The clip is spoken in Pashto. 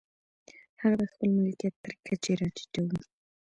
هغه د خپل ملکیت تر کچې را ټیټوو.